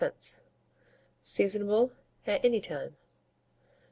Seasonable at any time.